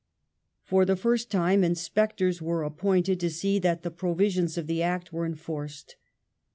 For the first time inspectoi s were appointed to see that the provisions of the Act were enforced.